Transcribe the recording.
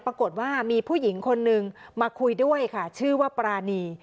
ปรากฏว่ามีผู้หญิงคนนึงมาคุยด้วยค่ะชื่อว่าปรานี